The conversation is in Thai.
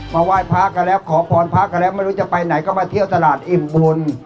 ไหว้พระกันแล้วขอพรพระกันแล้วไม่รู้จะไปไหนก็มาเที่ยวตลาดอิ่มบุญ